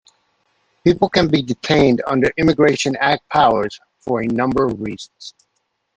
People can be detained under Immigration Act powers for a number of reasons.